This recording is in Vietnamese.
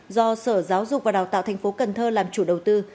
do sở giáo dục và đào tạo tp cần thơ làm chủ đầu tư